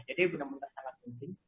jadi benar benar sangat penting